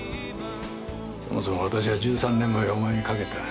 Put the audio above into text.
そもそも私は１３年前お前にかけた。